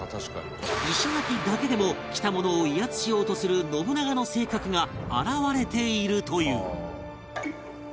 石垣だけでも来た者を威圧しようとする信長の性格が表れているという